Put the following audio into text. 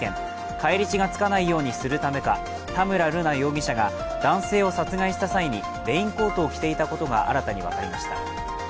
返り血がつかないようにするためか田村瑠奈容疑者が男性を殺害した際にレインコートを着ていたことが新たに分かりました。